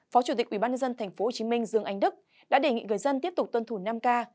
phó chủ tịch ubnd tp hcm dương anh đức đã đề nghị người dân tiếp tục tuân thủ năm k